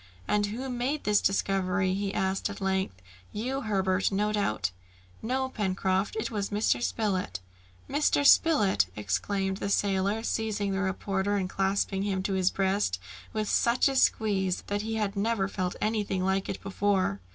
"And who made this discovery?" he asked at length. "You, Herbert, no doubt?" "No, Pencroft, it was Mr. Spilett." "Mr Spilett!" exclaimed the sailor seizing the reporter, and clasping him to his breast with such a squeeze that he had never felt anything like it before.